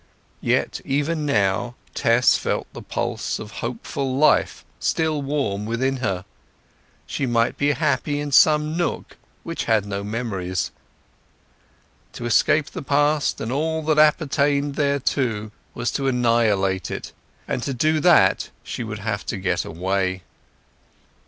Yet even now Tess felt the pulse of hopeful life still warm within her; she might be happy in some nook which had no memories. To escape the past and all that appertained thereto was to annihilate it, and to do that she would have to get away.